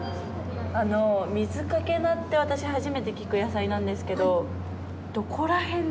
あの水かけ菜って私初めて聞く野菜なんですけど